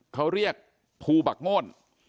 เขาเรียกภูบักโง่น